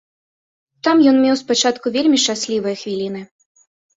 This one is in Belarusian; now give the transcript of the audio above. Там ён меў спачатку вельмі шчаслівыя хвіліны.